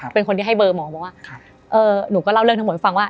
เป็นคนที่ให้เบอร์หมอบอกว่าหนูก็เล่าเรื่องทั้งหมดให้ฟังว่า